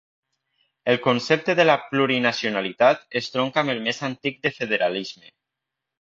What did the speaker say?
El concepte de la plurinacionalitat entronca amb el més antic de federalisme.